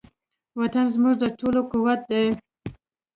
وطن زموږ د ټولنې قوت دی.